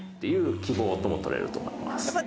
いう希望とも取れると思います。